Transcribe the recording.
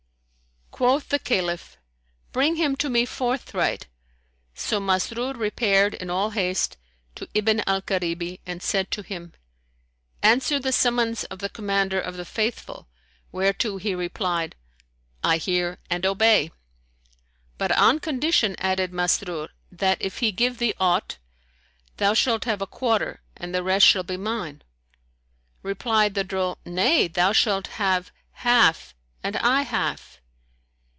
Quoth the Caliph, "Bring him to me forthright;" so Masrur repaired in all haste to Ibn al Karibi and said to him, "Answer the summons of the Commander of the Faithful," whereto he replied, "I hear and obey." "But on condition," added Masrur, "that, if he give thee aught, thou shalt have a quarter and the rest shall be mine." Replied the droll, "Nay, thou shalt have half and I half."